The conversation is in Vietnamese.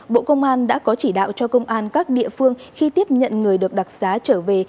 bộ công an đã có chỉ đạo cho công an các địa phương khi tiếp nhận người được đặc giá trở về